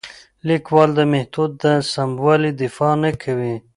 لیکوال د میتود د سموالي دفاع نه کوي.